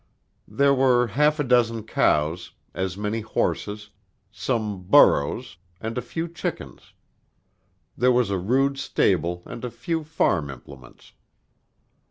There were half a dozen cows, as many horses, some burros, and a few chickens. There was a rude stable and a few farm implements.